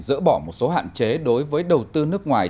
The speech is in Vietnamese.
dỡ bỏ một số hạn chế đối với đầu tư nước ngoài